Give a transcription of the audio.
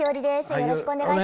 よろしくお願いします。